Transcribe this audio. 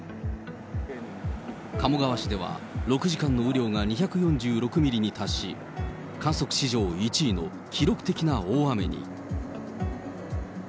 鴨川市では６時間の雨量が２４６ミリに達し、観測史上１位の記録的な大雨に。